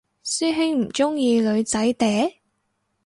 師兄唔鍾意女仔嗲？